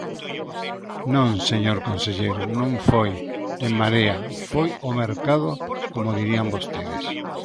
Non, señor conselleiro, non foi En Marea, foi o mercado, como dirían vostedes.